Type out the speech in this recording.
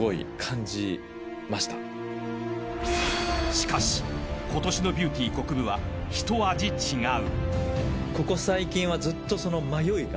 ［しかし今年のビューティーこくぶはひと味違う］